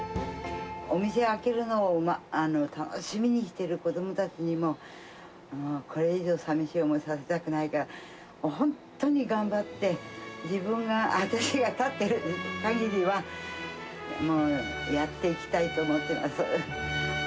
お店開けるのを楽しみにしている子どもたちにも、これ以上、さみしい思いさせたくないから、本当に頑張って、自分が、私が立ってるかぎりは、もう、やっていきたいと思ってます。